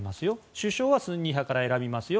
首相はスンニ派から選びますよ。